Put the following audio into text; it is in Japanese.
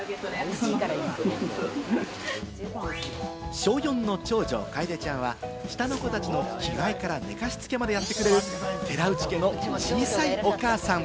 小４の長女・かえでちゃんは、下の子たちの着替えから寝かしつけまでやってくれる、寺内家の小さいお母さん。